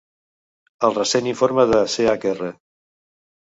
El recent informe de Chr.